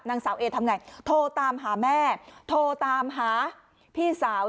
นางสาวเอทำไงโทรตามหาแม่โทรตามหาพี่สาว